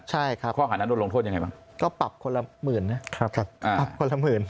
ใช่ข้ออาหารนั้นโดนลงโทษยังไงบ้างก็ฝังคนละ๑๐๐๐๐นะ